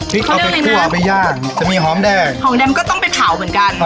เอาไปคั่วเอาไปย่างจะมีหอมแดงหอมแดงก็ต้องไปเผาเหมือนกัน